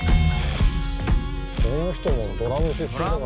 この人もドラム出身だから。